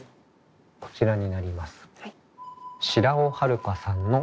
こちらになります。